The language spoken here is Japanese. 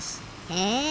へえ。